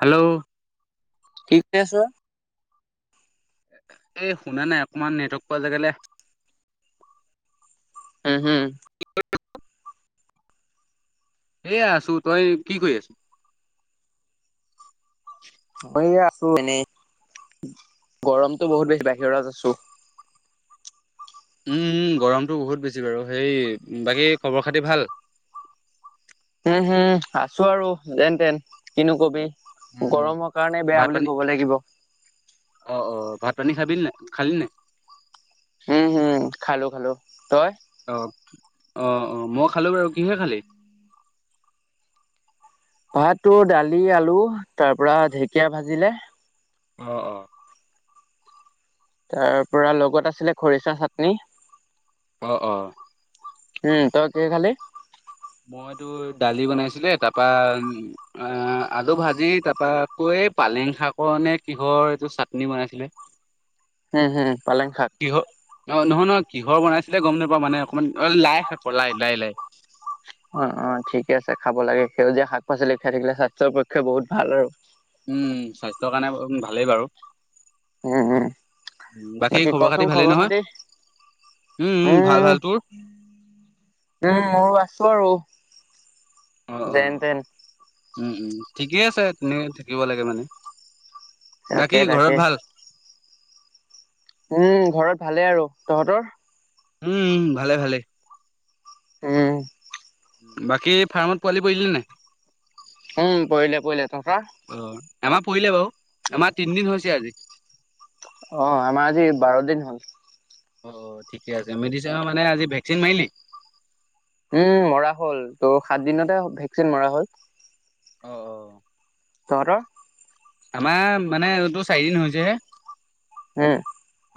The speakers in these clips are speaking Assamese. হেল্ল' ঠিক আছ এই শুনা নাই অকণমান নেটৱৰ্ক পোৱা যগেলে উম হম এয়া আছো তই কি কৰি আছো মই আছো এনেই গৰমতটো বহুত বেছি বাহিৰত আছো উম গৰমতটো বহুত বেছি বাৰু সেই বাকী খবৰ খাতি ভাল উম হুম আছো আৰু যেন তেন কিনো কবি উম গৰমৰ কাৰণে বেয়া ভাত পানী বুলি ক'ব লাগিব অ অ ভাত পানী খাবিল নে খালি নে উম হুম খালো খালো তই অ অ অ মই খালো বাৰু কিহে খালি ভহাত তো দালি আলু তাৰ পৰাৰা ঢেকীয়া ভাজিলে অ অ তাৰ পৰা লগত আছিলে খৰিচা চাটনি অ অ উম তই কি খালি মইতো দালি বনাইছিলে তাৰপা অ আজু ভাজি তাৰপা আকৌ এই পালেং শাকৰ নে কিহৰ এইটো চাটনি বনাইছিলে উুম হুম পালেং শাক কিহৰ অ নহয় নহয় কিহৰ বনাইছিলে গম নাপাওঁ মানে অকণমান লাই শাক লাই লাই লাই অ অ ঠিকে আছে খাব লাগে সেউজীয়া শাক পাচলি খাই থাকিলে স্বাস্থ্যৰ পক্ষে বহুত ভাল আৰু উম স্বাস্থ্যৰ কাৰণে ভালেই বাৰু উম উম বাকী খবৰ খাতি ভালেই নহয় উম ভাল ভাল তোৰ উম মই আছো আৰু অ', যেন অ'। তেন উম, উম, ঠিকেই আছে তেনে থাকিব লাগে মানে তাকে বাকী তাকে ঘৰত ভাল উম, ঘৰত ভালে আৰু তহঁতৰ উম, ভালে ভালে [unintelligible] বাকী, ফাৰ্মত পোৱালি পৰিলি নাই উম, পৰিলে, পৰিলে, তহতৰ অ', আমাৰ পৰিলে বাৰু আমাৰ তিনিদিন হৈছে আজি অ', আমাৰ আজি বাৰ দিন হ'ল অ', ঠিকে আছে, মেডিচিনৰ মানে আজি ভেকচিন মাৰিলি উম, মৰা হ'ল তোৰ সাত দিনতে ভেকচিন মৰা হ'ল অ', [unintelligible] আমাৰ মানে, এইটো চাৰিদিন হৈছে হে হম,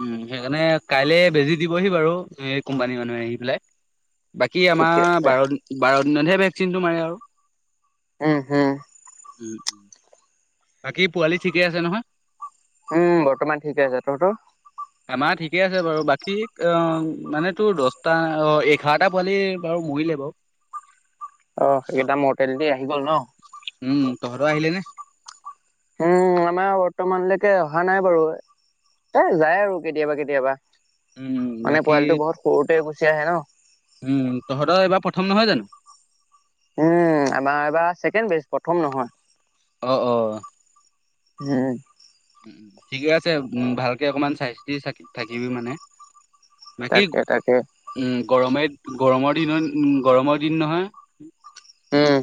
উম, সেইকাৰণে কাইলে বেজি দিবহি বাৰু এই কোম্পানী মানুহে আহি পেলাই বাকী, আমাৰ ঠিকে আছে বাৰ বাৰ দিনতহে ভেকচিনটো মাৰে আৰু উম, হম উ, বাকী পোৱালি ঠিকেই আছে নহয়? উম, বৰ্তমান ঠিকে আছে তহতৰ? আমাৰ ঠিকে আছে বাৰু, বাকী অ মানে তোৰ দহটা অ এঘাৰটা পোৱালি বাৰু মৰিলে বা অ ', সেইকেইটা মোৰ [unintelligible] দি আহি গ'ল ন উম, তহৰ আহিলে নে? উম, আমাৰ বৰ্তমানলৈকে অহা নাই বাৰু এ যায় আৰু কেতিয়াবা কেতিয়াবা উম মানে, বাকী পোৱালিটো বহুত সৰুতে গুচি আহে ন উম, তহৰ এবাৰ প্ৰথম নহয় জানো? উম, আমাৰ এইবাৰ ছেকেণ্ড বে প্ৰথম নহয় অ', অ', উম, উ ঠিকে আছে। ভালকে অকণমান চাই্চিথি থাকিবি মানে, বাকি তাকে তাকে উম, গৰমে, গৰমৰ দিন, গৰমৰ দিন নহয় উম,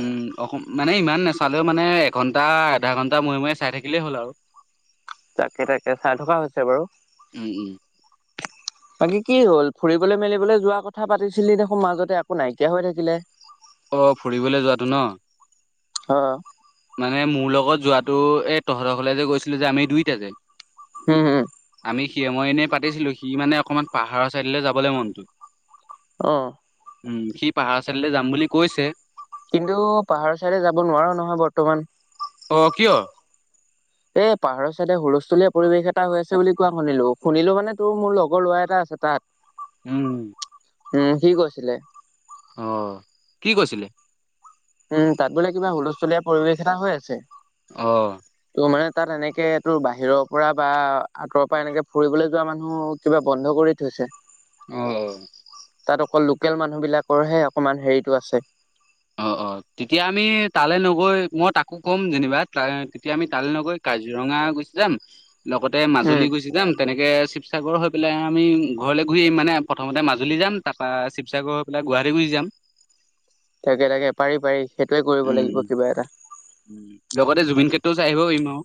উম, অ', মানে ইমান নাচালেও মানে এঘণ্টা আধা ঘণ্টা মূৰে মূৰে চাই থাকিলেই হ'ল আৰু। উ তাকে, তাকে, চাই থকা হৈছে বাৰু। উম, উম বাকী কি হল, ফুৰিবলৈ মেলিবলৈ যোৱা কথা পাতিছিলি দেখোন মাজতে একো নাইকিয়া হৈ থাকিলে। অ', ফুৰিবলৈ যোৱাতটো ন। অ', মানে, মোৰ লগত যোৱাতটো এই তহতঘৰলে যে গৈছিলো যে আমি দুইটা যে হম, হুম, আমি সি ময় এনেই পাতিছিলো। সি মানে অকনমান পাহাৰৰ চাইডলৈ যাবলৈ মন অ', উম, সি পাহাৰ চাইডৰলৈ যাম বুলি কৈছে কিন্তু, পাহাৰৰ ছাইে যাব নোৱাৰো নহয় বৰ্তমান অ', কিয়,? এ পাহাৰৰ চাইডে হুলস্থুলীয়া পৰিৱেশ এটা হৈ আছে বুলি কোৱা শুনিলো, শুনিলো মানে তোৰ মোৰ লগৰ ল'ৰা এটা আছে তাত। উম, উম, সি কৈছিলে। অ', কি কৈছিলে। উম তাত বোলে কিবা হুলস্থুলীয়া পৰিৱেশ এটা হৈ আছে। অঁ ত' মানে তাত এনেকে তোৰ বাহিৰৰ পৰা বা আঁতৰৰ পৰা এনেকে ফুৰিবলৈ যোৱা মানুহ, কিবা বন্ধ কৰি থৈছে। অ তাত অকল লোকেল মানুহবিলাকৰহে অকমান হেৰিতটো আছে। অঁ অঁ তেতিয়া আমি তালৈ নগৈ মই তাকো ক'ম যেনিবা। তেতিয়া আমি তালৈ নগৈ কাজিৰঙা গুচি যাম। লগতে উম মাজুলী গুচি যাম। তেনেকৈ শিৱসাগৰ হৈ পেলাই আমি ঘৰলৈ ঘূৰি মানে প্ৰথমতে মাজুলী যাম। তাৰপৰা শিৱসাগৰ, এইা গুৱাহাটী গুচি যাম। তাকে তাকে, পাৰি পাৰি সেইটোৱে কৰিব উম লাগিব উম কিবা এটা। উম, লগতে জুবিন ক্ষেত্ৰটোও চাই আহিব লাগিব আৰু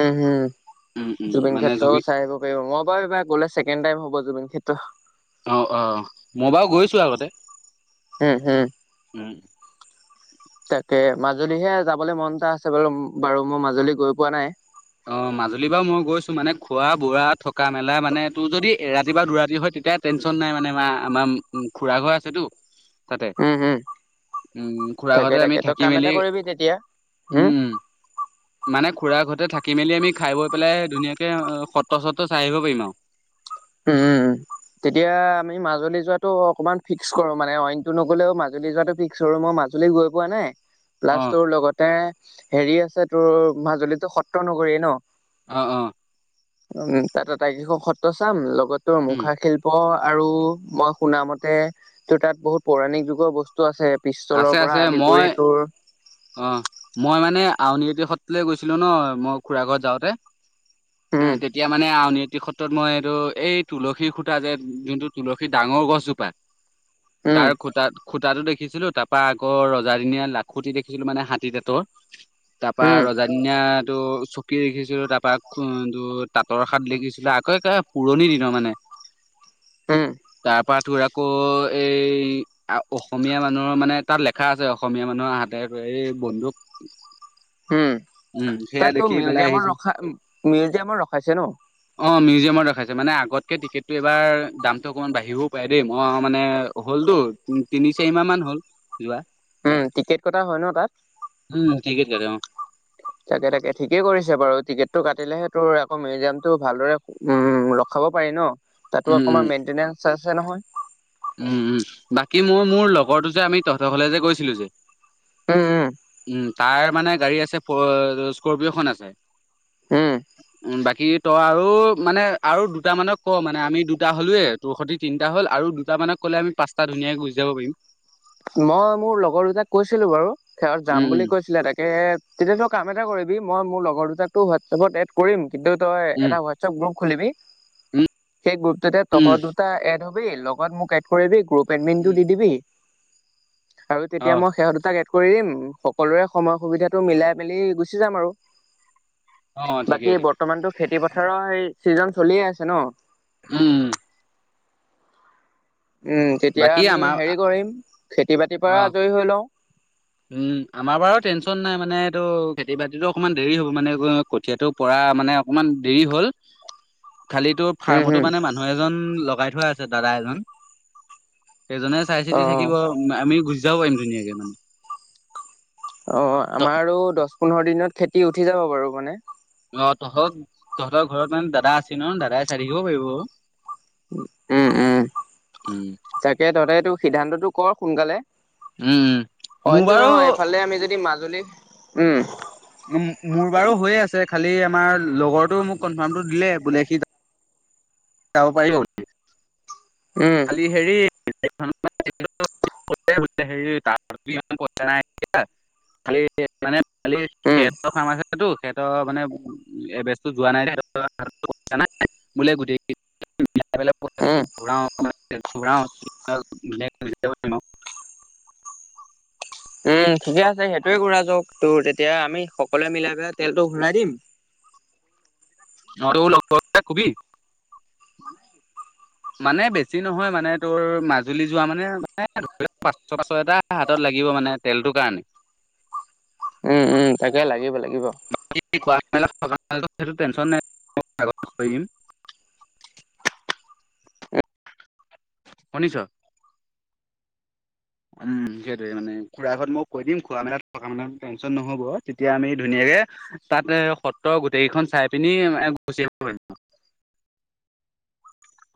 উম হুম উম জুবিন মানে জুবি ক্ষেএ চাই আহিব মই বাৰুব গ'লে ছেকেণ্ড টাইম হ'ব জুবিন ক্ষেএ অ অ মই বাৰু গৈছো আগতে, উম, হুম, উ, তাকে মাজুলীহে যাবলৈ মন এটা আছে বাৰু বাৰু মই মাজুলী গৈ পোৱা নাই। অ মাজুলী বাৰ মই গৈছো মানে। খোৱা বোৱা থকা মেলা মানে তোৰ যদি এ ৰাতি বা দুৰাতি হয় তেতিয়া। টেনচন নাই মানে আ, আমাৰ খুৰা ঘৰ আছেতো তাতে উম, হুম, উম, খুৰা তাকে ঘৰতে আমি তাকে তই থাকি কাম এটা মেলি, কৰিবি তেতিয়া, হুম, উম, মানে খুৰা ঘৰতে থাকি মেলি আমি খাই বৈ পেলাই ধুনীয়াকে অ সত্ৰ চত্ৰ চাই আহিব পাৰিম আৰু। উম, উম তেতিয়া আমি মাজুলী যোৱাতো অকনমান ফিক্স কৰো মানে। অইনতটো নগলেও মাজুলী যোৱা টো ফিক্স কৰো মই মাজুলী গৈ পোৱা নাই। প্লাছ অ', তোৰ লগতে হেৰি আছে তোৰ মাজুলীতো সত্ৰ নগৰি ন। অ অ উম তা এটাই কেইখন সত্ৰ চাম লগতে উম, মুখা খেল আৰু মই শুনা মতে ত তাত বহুত পৌৰাণিক যুগৰ বস্তু, আছে আছে পিষ্টলৰ আছে পৰা আদি মই কৰি তোৰ, অ', মই মানে আউনীআটি সত্ৰলৈ গৈছিলো ন মই খুৰা ঘৰত যাওঁতে। উম তেতিয়া মানে আউনীআটি স ত্ৰত মই এইটো এই তুলসীৰ খুতা যে, যোনটো তুলসীৰ ডাঙৰ গছজোপা। উম তাৰ খুটা খুটাটো দেখিছিলো, তাৰ পৰা আগৰ ৰজাদিনীয়া লাখুটি দেখি ছিলো মানে হাতী দাতৰ। তাৰপা উম ৰজাদিনিয়াটো চকী দেখিছিলো তাৰপা তাঁতৰ খাত দেখিছিলো, আকৌ একে পুৰণি দিনৰ মানে। উম তাৰ পৰা তোৰ আকৌ এই অসমীয়া মানুহৰ মানে তাত লেখা আছে অসমীয়া মানুহৰ হাত এই বন্ধুক উম। সেয়া তাত তো দেখি পেলাই মিউজিয়ামত আহিছো ৰখা মিউজিয়ামত ৰখাইছে ন। অ', মিউজিয়ামত ৰখাইছে মানে আগতকে টিকেটটো এবাৰ দামটো অকমান বাঢ়িবও পাৰে দেই। মই মানে হ'লতো। উম, তিনি চাৰি মাহ মান হল যোৱা। উম টিকেট কটা হয় ন তাত। উম, টিকেট কাতে উম। তাকে তাকে ঠিকেই কৰিছে বাৰু, টিকেটটো কাটিলেহে তোৰ আকৌ মিউজিয়ামটো ভালদৰে উম, ৰখাব পাৰি ন, তাতো উম উম অকণমান মেইনটেনেন্ঞ্চ আছে নহয়। উম। বাকী মই মোৰ লগৰটো যে আমি তহতৰ ঘৰলে যে গৈছিলো যে। উম উম। উম, তাৰ মানে গাড়ী আছে স্কৰপিঅ খন আছে। উম উম, বাকী তই আৰু মানে আৰু দুটা মানক ক, মানে আমি দুটা হ'লয়েই, তোৰ সতি তিনিটা হ'ল আৰু তাৰমানে মানে ক'লে আমি পাঁচটা ধুনীয়াকৈ যাব পাৰিম। মই মোৰ লগৰ দুটাক কৈছিলো বাৰু, সিহঁত যাম উম বুলি উম কৈছিলে। তাকে তেতিয়া তই কাম এটা কৰিবি, মই মোৰ লগৰ দুটাকো হোৱাটছএপত এড কৰিম, কিন্তু তই এটা গ্ৰুপ খুলিবি, উম সেই গ্ৰুপটোতে উম উম তহঁত দুটা এড হবি, লগত মোক এড কৰিবি, গ্ৰুপ এডমিনটো উম দি দিবি আৰু তেতিয়া অ মই সেহঁত দুটাক এড কৰি দিম, সকলোৰে সময় সুবিধাটো উম মিলাই মেলি গুছি গুছি যাম আৰু, অ ঠিকে বাকি ঠিকে বৰ্তমানতো খেতি পথাৰৰ সেই চিজন চলিয়েই আছে ন? উম। উম তেতিয়া বাকী আমি আমাৰ হেৰি কৰিম, খেতি বাতিৰ অ পৰা আজৰি হৈ লওঁ। উম আমাৰ বাৰু টেনচন নাই, মানে এইটো খেতি বাতিতো অকণমান দেৰি হ'ব। মানে কঠীয়াটো পৰা মানে অকমান দেৰি হ'ল, খালিটো উম ফাৰ্মতো হম মানে মানুহ এজন লগাই থোৱা আছে দাদা এজন। সেইজনে চাই অ চিতি থাকিব, আমি গুছি যাব পাৰিম ধুনীয়াকে মানে। অ' ত আমা আৰু দহ পোন্ধৰ দিনত খেতি উঠি যাব বাৰু মানে। অ' তহঁত তহঁতৰ ঘৰত মানে দাদা আছে ন, দাদাই চাই থাকিব পাৰিব। উম। তেতিয়া তহ'তে সেইটো সিদ্ধান্তটো কৰ সোনকালে। উম। উম। মোৰ অইনটো বাৰু নহয়, এইফালে আমি যদি মাজুলী, উম। মোৰ বাৰু হৈয়ে আছে, খালি আমাৰ লগৰটো মোক কনফাৰ্মটো দিলে। বোলে সি যাব পাৰিব উম। খালী হেৰি। [unintelligible] [inaudible] [unintelligible] উম সিহঁতৰ মানে এইবেছটো যোৱা নাই। [unintelligible] বোলে গোটে উম [inaudible] উম ঠিকেই আছে, সেইটোৱেই কৰা যাওঁক। তোৰ তেতিয়া আমি সকলোৱে মিলাই পেলাই তেলটো ভৰাই দিম। [unintelligible] মানে বেছি নহয় মানে তোৰ মাজুলী যোৱা মানে মানে পাচঁশ পাচঁশ এটা হাতত লাগিব মানে তেলটোৰ কাৰণে। উম উম তাকে লাগিব লাগিব। েই টেন নাই দি [unintelligible] শুনিছ? উম সেইটোৱে মানে খুৰা ঘৰত মই কৈ দিম খোৱা মেলাত থকা মেলাত টেনশ্যন নহ'ব। তেতিয়া আমি ধুনীয়াকে তাত সত্ৰ গোটেইকিখন চাই পিনি গুচিআহিব পাৰিম আৰু।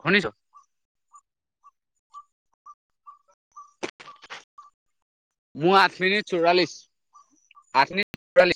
শুনিছ? মোৰ আঠ মিনিট চৌৰাল্লিশ আঠ মিনিট চৌৰাল্লিশ